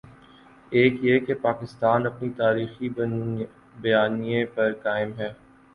ایک یہ کہ پاکستان اپنے تاریخی بیانیے پر قائم ہے۔